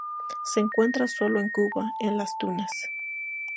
Se encuentra solo en Cuba, en Las Tunas.